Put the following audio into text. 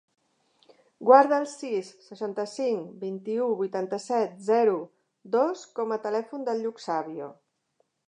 Guarda el sis, seixanta-cinc, vint-i-u, vuitanta-set, zero, dos com a telèfon del Lluc Sabio.